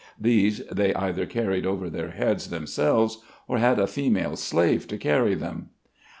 These they either carried over their heads themselves, or had a female slave to carry them.